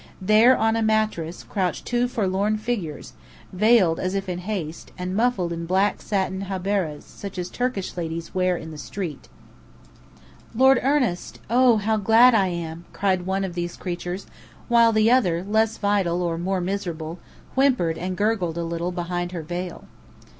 There, on a mattress, crouched two forlorn figures, veiled as if in haste, and muffled in black satin habberahs such as Turkish ladies wear in the street. "Lord Ernest! Oh, how glad I am!" cried one of these creatures, while the other, less vital or more miserable, whimpered and gurgled a little behind her veil.